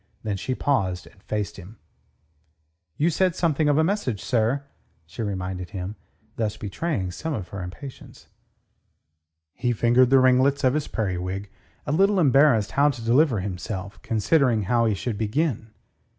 Then she paused and faced him. "You said something of a message, sir," she reminded him, thus betraying some of her impatience. He fingered the ringlets of his periwig, a little embarrassed how to deliver himself, considering how he should begin.